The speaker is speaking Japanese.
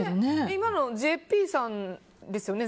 今のＪＰさんですよね？